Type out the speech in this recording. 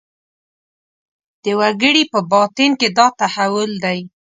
د وګړي په باطن کې دا تحول دی.